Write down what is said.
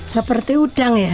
seperti udang ya